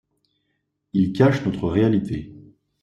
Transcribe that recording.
Il cache notre réalité.